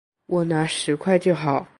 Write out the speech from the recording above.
我拿十块就好